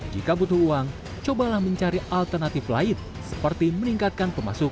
jika butuh uang cobalah mencari alternatif lain seperti meningkatkan pemasukan